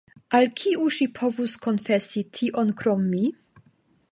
Al kiu ŝi povus konfesi tion krom mi?